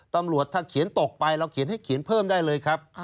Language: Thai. ตำรวจถ้าเขียนตกไปเราเขียนให้เขียนเพิ่มได้เลยครับ